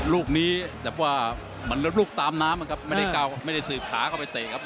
ลูกนี้แบบว่ามันลดลูกตามน้ำนะครับไม่ได้เก่าไม่ได้สืบขาเข้าไปเตะครับ